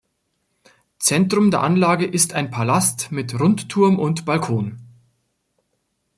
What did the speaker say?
Zentrum der Anlage ist ein Palast mit Rundturm und Balkon.